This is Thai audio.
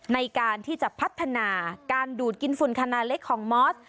ในการที่จะพัฒนาการดูดกินฝุ่นขนาดเล็กของมอส